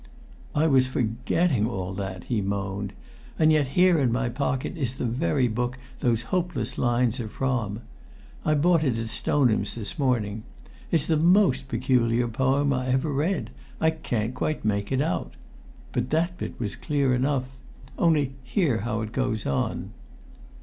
"I was forgetting all that," he moaned. "And yet here in my pocket is the very book those hopeless lines are from. I bought it at Stoneham's this morning. It's the most peculiar poem I ever read. I can't quite make it out. But that bit was clear enough. Only hear how it goes on!"